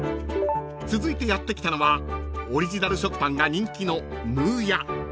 ［続いてやって来たのはオリジナル食パンが人気の］